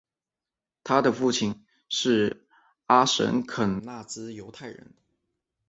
他的父亲是阿什肯纳兹犹太人。